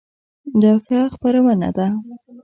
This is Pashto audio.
دا ښه خپرونه ده؟